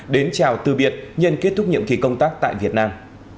đến chào từ biệt nhân kết thúc nhiệm kỳ công tác tại việt nam